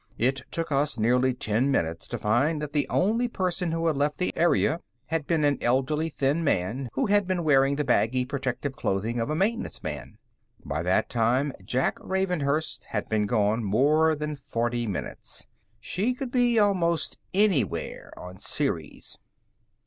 It took us nearly ten minutes to find that the only person who had left the area had been an elderly, thin man who had been wearing the baggy protective clothing of a maintenance man. By that time, Jack Ravenhurst had been gone more than forty minutes. She could be almost anywhere on Ceres.